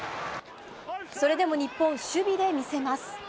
それでも日本、守備で魅せます。